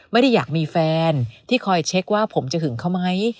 ไม่ได้อยากมีแฟนที่คอยเช็คว่าผมจะหึงเขาไหม